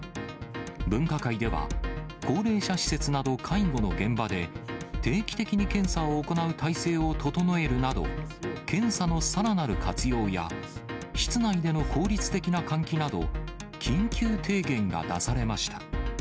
分科会では、高齢者施設など介護の現場で、定期的に検査を行う体制を整えるなど、検査のさらなる活用や、室内での効率的な換気など、緊急提言が出されました。